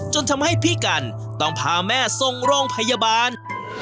จนทำให้พี่กันต้องพาแม่ส่งโรงพยาบาล